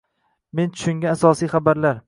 Men tushungan asosiy xabarlar: